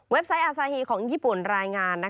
ไซต์อาซาฮีของญี่ปุ่นรายงาน